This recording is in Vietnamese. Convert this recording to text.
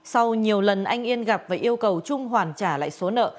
sau nhiều lần anh yên gặp và yêu cầu trung hoàn trả lại số nợ